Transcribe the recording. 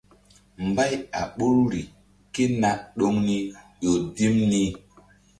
Mbay a ɓoruri ké na ɗoŋ ni ƴo dim ni.